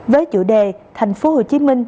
với chủ đề tp hcm